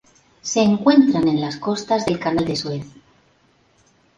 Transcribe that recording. Se encuentran en las costas del Canal de Suez.